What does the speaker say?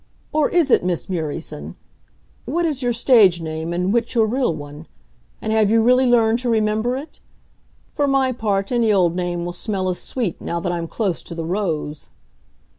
"Or is it Miss Murieson? Which is your stage name, and which your real one? And have you really learned to remember it? For my part, any old name will smell as sweet, now that I'm close to the rose."